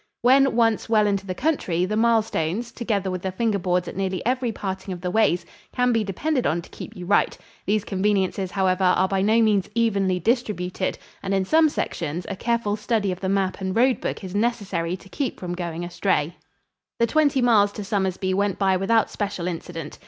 When once well into the country, the milestones, together with the finger boards at nearly every parting of the ways, can be depended on to keep you right. These conveniences, however, are by no means evenly distributed and in some sections a careful study of the map and road book is necessary to keep from going astray. [Illustration: SOMERSBY RECTORY, BIRTHPLACE OF TENNYSON.] The twenty miles to Somersby went by without special incident.